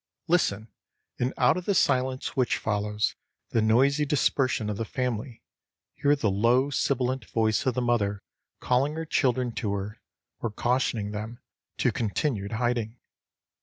Listen, and out of the silence which follows the noisy dispersion of the family hear the low sibilant voice of the mother calling her children to her or cautioning them to continued hiding.